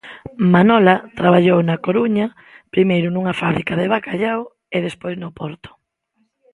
Manola traballou na Coruña, primeiro nunha fábrica de bacallau e despois no porto.